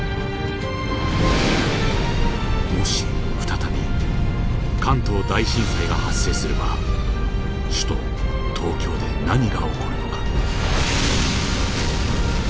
もし再び関東大震災が発生すれば首都東京で何が起こるのか。